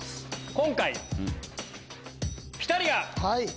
今回ピタリが。